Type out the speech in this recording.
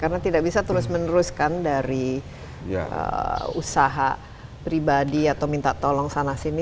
karena tidak bisa terus meneruskan dari usaha pribadi atau minta tolong sana sini